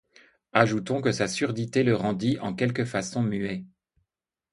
Ajoutons que sa surdité le rendit en quelque façon muet.